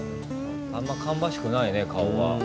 あんま芳しくないね顔は。